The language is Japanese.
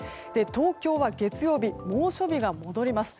東京は月曜日猛暑日が戻ります。